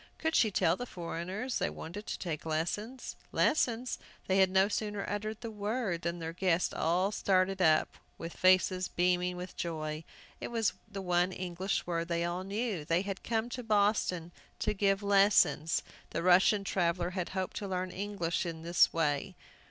Could she tell the foreigners they wanted to take lessons? Lessons? They had no sooner uttered the word than their guests all started up with faces beaming with joy. It was the one English word they all knew! They had come to Boston to give lessons! The Russian traveller had hoped to learn English in this way.